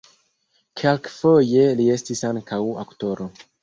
Kelkfoje li estis ankaŭ aktoro.